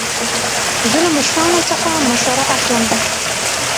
زه له مشرانو څخه مشوره اخلم.